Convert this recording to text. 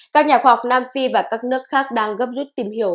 các nhà khoa học nam phi và các nước khác đang gấp rút tìm hiểu